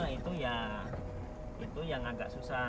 nah itu ya itu yang agak susah